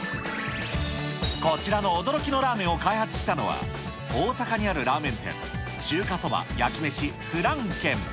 こちらの驚きのラーメンを開発したのは、大阪にあるラーメン店、中華そば・焼きめしフラン軒。